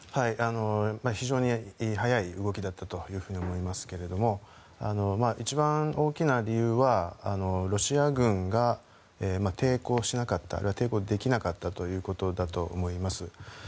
非常に速い動きだったというふうに思いますが一番大きな理由はロシア軍が抵抗しなかったあるいは抵抗できなかったということだと思います。